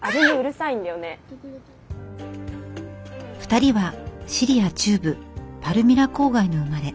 ２人はシリア中部パルミラ郊外の生まれ。